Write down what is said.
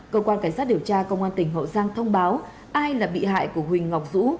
cơ quan cảnh sát điều tra công an tỉnh hậu giang thông báo ai là bị hại của huỳnh ngọc vũ